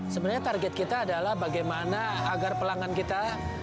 sebenarnya target kita adalah bagaimana agar pelanggan kita